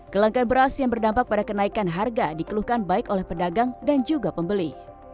kelangkaan beras yang berdampak pada kenaikan harga dikeluhkan baik oleh pedagang dan juga pembeli